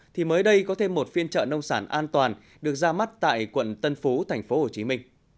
thì mới đây có thêm một phiên chợ nông sản an toàn được ra mắt tại quận tân phú tp hcm